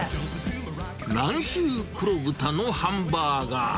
南州黒豚のハンバーガー。